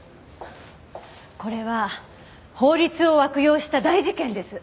これは法律を悪用した大事件です。